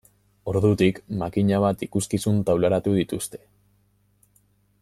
Ordutik, makina bat ikuskizun taularatu dituzte.